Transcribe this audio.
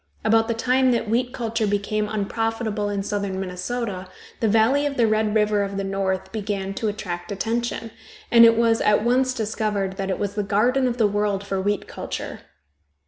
About the time that wheat culture became unprofitable in southern Minnesota, the valley of the Red River of the North began to attract attention, and it was at once discovered that it was the garden of the world for wheat culture.